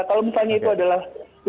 kalau misalnya itu adalah